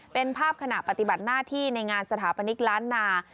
เป็นภาพขณะปฏิบัติหน้าที่ในงานสถาปนิกล้านนา